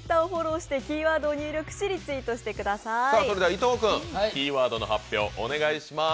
伊藤君、キーワードの発表をお願いします。